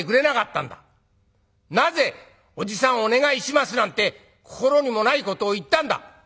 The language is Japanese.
なぜ『おじさんお願いします』なんて心にもないことを言ったんだ！